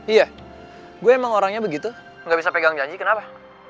iya gue emang orangnya begitu nggak bisa pegang janji kenapa